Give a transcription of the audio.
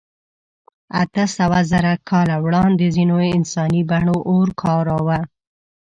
اتهسوهزره کاله وړاندې ځینو انساني بڼو اور کاراوه.